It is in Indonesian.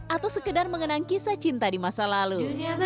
atau sekedar mengenang kisah cinta di masa lalu